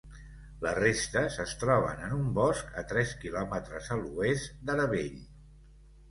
Les restes es troben en un bosc a tres quilòmetres a l'oest d'Aravell.